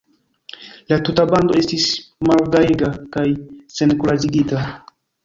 La tuta bando estis malgajega kaj senkuraĝigita.